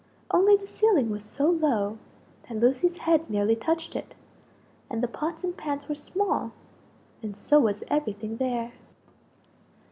Only the ceiling was so low that Lucie's head nearly touched it; and the pots and pans were small, and so was everything there.